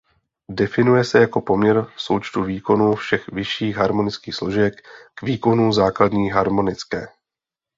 Definuje se jako poměr součtu výkonů všech vyšších harmonických složek k výkonu základní harmonické.